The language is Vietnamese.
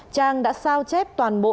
trang đã sao chép toàn bộ